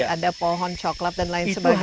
ada pohon coklat dan lain sebagainya